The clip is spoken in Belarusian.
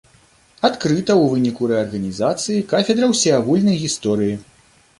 Адкрыта у выніку рэарганізацыі кафедра ўсеагульнай гісторыі.